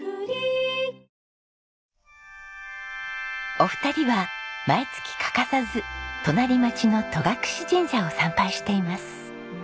お二人は毎月欠かさず隣町の戸隠神社を参拝しています。